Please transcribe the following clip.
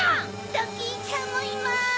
ドキンちゃんもいます！